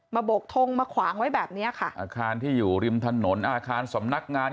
โบกทงมาขวางไว้แบบเนี้ยค่ะอาคารที่อยู่ริมถนนอาคารสำนักงาน